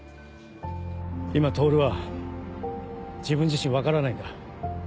今透は自分自身分からないんだ。